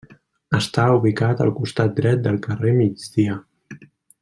Està ubicat al costat dret del carrer Migdia.